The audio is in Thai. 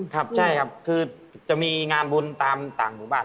ครับใช่ครับคือจะมีงานบุญตามต่างหมู่บ้าน